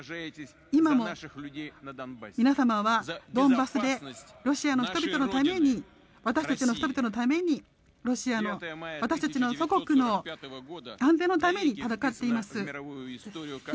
今も皆様はドンバスでロシアの人々のために私たちの祖国の安定のために戦っています。